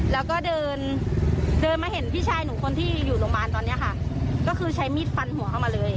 แล้วก็เดินเดินมาเห็นพี่ชายหนูคนที่อยู่โรงพยาบาลตอนเนี้ยค่ะก็คือใช้มีดฟันหัวเข้ามาเลย